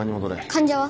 患者は？